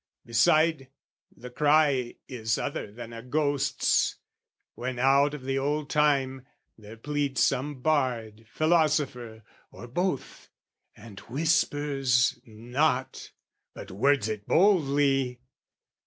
Beside, the cry is other than a ghost's, When out of the old time there pleads some bard, Philosopher, or both and whispers not, But words it boldly.